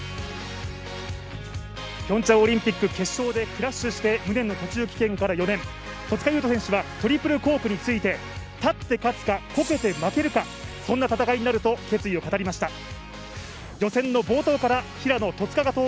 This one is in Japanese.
ピョンチャンオリンピック決勝でクラッシュして無念の途中棄権から４年、戸塚優斗選手はトリプルコークについて立って勝つか、こけて負けるかそんな戦いになると決意を語りました。